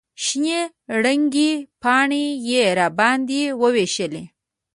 شنې رنګې پاڼې یې راباندې ووېشلې.